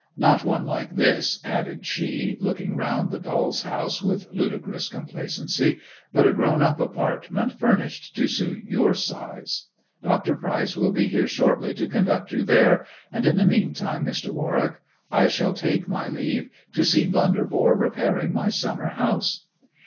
Not one like this," added she, looking round the dolFs house with ludi crous complacency, " but a grown up apartment furnished to suit your size. Dr. Pryce will be here shortly to conduct you there, and in the meantime, Mr. Warwick, I shall take my leave, to see Blunderbore repairing my summer house."